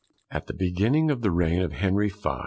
_ At the beginning of the reign of Henry V.